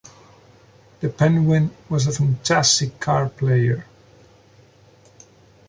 The penguin was a fantastic card player.